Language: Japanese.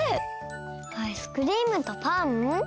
アイスクリームとパン？